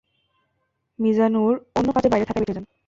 মিজানুর অন্য কাজে বাইরে থাকায় বেঁচে যান।